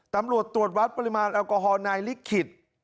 ตำรวจตรวจวัดปริมาณแอลกอฮอลนายลิขิต